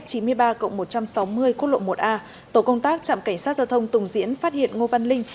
cộng một trăm sáu mươi quốc lộ một a tổ công tác trạm cảnh sát giao thông tùng diễn phát hiện ngô văn linh